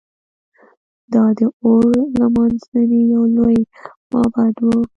دا د اور لمانځنې یو لوی معبد و